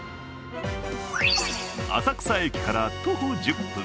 浅草駅から徒歩１０分。